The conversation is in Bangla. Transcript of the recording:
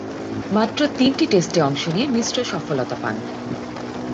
মাত্র তিনটি টেস্টে অংশ নিয়ে মিশ্র সফলতা পান।